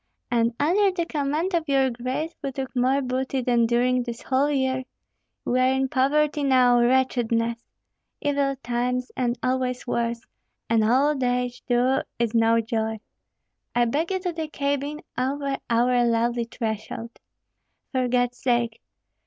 And under the command of your grace we took more booty than during this whole year. We are in poverty now, wretchedness! Evil times, and always worse; and old age, too, is no joy. I beg you to the cabin, over our lowly threshold. For God's sake!